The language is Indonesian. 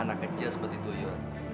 anak kecil seperti tuyul